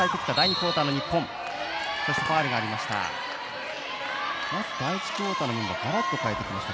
ファウルがありました。